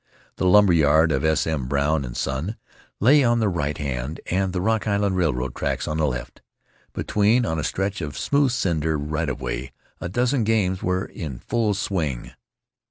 The lumber yard of S. M. Brown & Son lay on the right hand and the Rock Island Railroad tracks on the left. Between, on a stretch of smooth cinder right of way, a dozen games were in full swing.